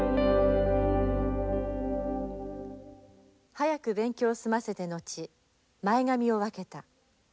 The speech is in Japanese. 「早く勉強を済ませて後前髪を分けた。